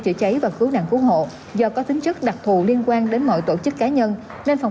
chữa cháy và cứu nạn cứu hộ do có tính chất đặc thù liên quan đến mọi tổ chức cá nhân nên phòng